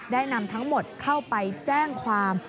ได้นำทั้งหมดเข้าไปแจ้งความ